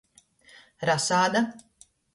Rasāda.